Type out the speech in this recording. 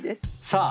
さあ